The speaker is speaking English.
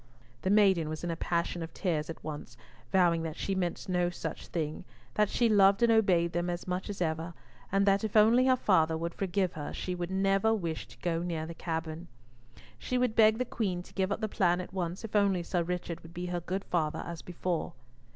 The maiden was in a passion of tears at once, vowing that she meant no such thing, that she loved and obeyed them as much as ever, and that if only her father would forgive her she would never wish to go near the cavern. She would beg the Queen to give up the plan at once, if only Sir Richard would be her good father as before.